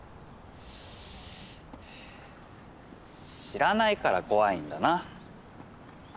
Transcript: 知らないから怖いんだな。